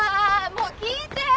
もう聞いて！